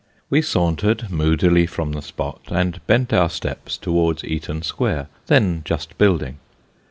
We sauntered moodily from the spot, and bent our steps towards Eaton Square, then just building.